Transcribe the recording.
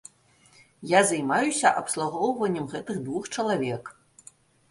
Я займаюся абслугоўваннем гэтых двух чалавек.